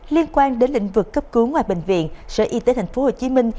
liên quan đến lĩnh vực cấp cứu ngoại bệnh viện sở y tế thành phố hồ chí minh